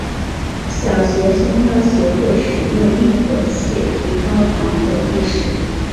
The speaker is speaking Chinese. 小学生要学会使用灭火器，提高防火意识。